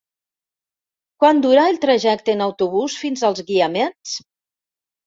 Quant dura el trajecte en autobús fins als Guiamets?